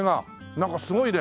なんかすごいね。